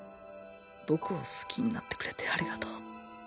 僕を好きになってくれてありがとう。